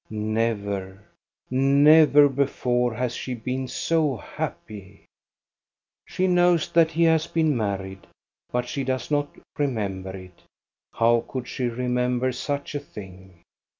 Never, never before has she been so happy. She knows that he has been married, but she does not remember it. How could she remember such a thing?